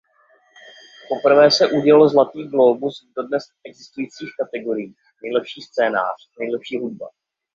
Poprvé se udělil Zlatý glóbus v dodnes existujících kategoriích "Nejlepší scénář" a "Nejlepší hudba".